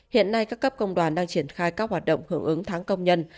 hiện nay các cấp công đoàn đang triển khai các hoạt động hưởng ứng tháng công nhân